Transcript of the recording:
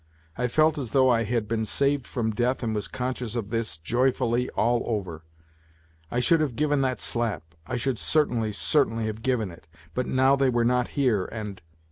I felt as though I had been saved from death and was conscious of this, joyfully, all over : I should have given that slap, I should certainly, certainly have given it ! But now they were rot here and